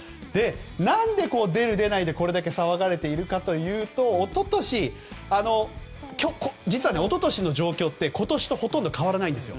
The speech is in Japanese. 何で出る出ないでこれだけ騒がれているかというと実は一昨年の状況って今年とほとんど変わらないんです。